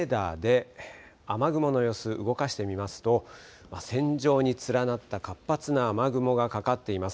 レーダーで雨雲の様子、動かしてみますと線状に連なった活発な雨雲がかかっています。